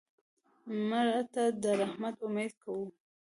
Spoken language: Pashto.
مړه ته د رحمت امید کوو